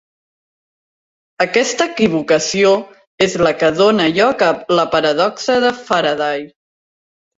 Aquesta equivocació és la que dóna lloc a la paradoxa de Faraday.